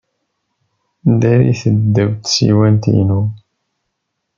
Ddarit-d ddaw tsiwant-inu.